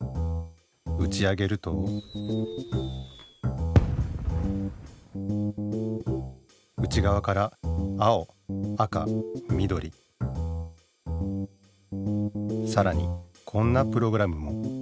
うち上げると内がわから青赤みどりさらにこんなプログラムも。